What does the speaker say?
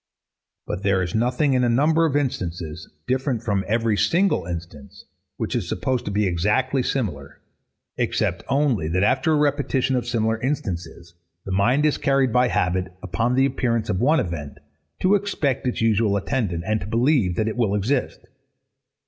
But there is nothing in a number of instances, different from every single instance, which is supposed to be exactly similar; except only, that after a repetition of similar instances, the mind is carried by habit, upon the appearance of one event, to expect its usual attendant, and to believe that it will exist.